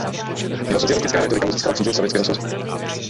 Jeho socialistická rétorika mu získala přízeň Sovětského svazu.